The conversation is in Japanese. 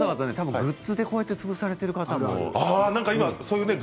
グッズでそうやって潰されているものも。